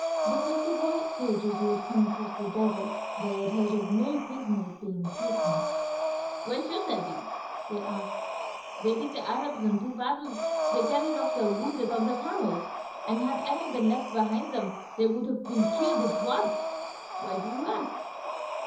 But of the white soldiers who had come across the desert, they had heard of no prisoners being taken." "Why should there be?" they asked. "They beat the Arabs in two battles, they carried off their wounded on their camels, and had any been left behind them they would have been killed at once. Why do you ask?"